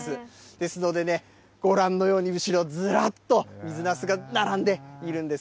ですので、ご覧のように後ろずらっと、水なすが並んでいるんです。